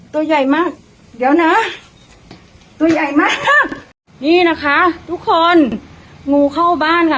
ตัวใหญ่มากเดี๋ยวนะตัวใหญ่มากนี่นะคะทุกคนงูเข้าบ้านค่ะ